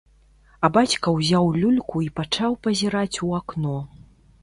А бацька ўзяў люльку і пачаў пазіраць у акно.